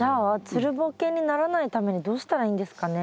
つるボケにならないためにどうしたらいいんですかね？